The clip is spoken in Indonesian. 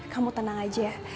kamu tenang aja ya